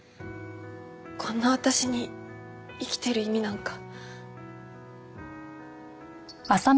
こんな私に生きてる意味なんか。